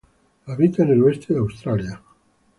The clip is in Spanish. Habita en el oeste de Australia.